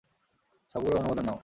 সবগুলোর অনুমোদন নাও।